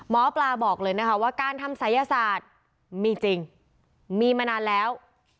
หมอปลาบอกเลยนะคะว่าการทำศัยศาสตร์มีจริงมีมานานแล้ว